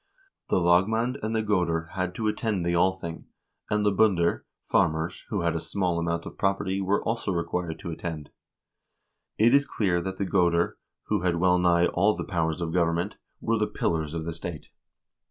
The lagmand and the goder had to attend the Althing, and the binder (farmers) who had a small amount of property were also required to attend. It is clear that the goder, who had well nigh all the powers of government, were the pillars of the state.